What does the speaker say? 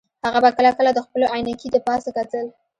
هغه به کله کله د خپلو عینکې د پاسه کتل